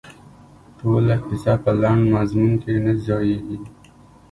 ټوله کیسه په لنډ مضمون کې نه ځاییږي.